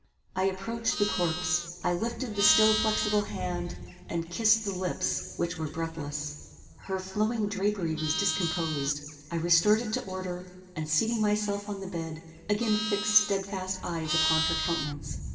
I approached the corpse: I lifted the still flexible hand, and kissed the lips which were breathless. Her flowing drapery was discomposed. I restored it to order, and seating myself on the bed, again fixed stedfast eyes upon her countenance.